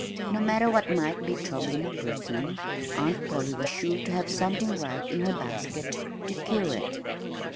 No matter what might be troubling a person, Aunt Polly was sure to have something right in her basket to cure it.